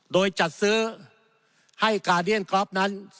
โดยจัดซื้อให้กาเดียนกรอฟนั้น